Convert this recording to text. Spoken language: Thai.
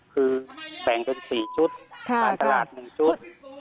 คือแบ่งเป็น๔ชุดผ่านตลาด๑ชุด